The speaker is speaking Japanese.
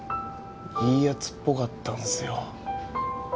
いいヤツっぽかったんすよ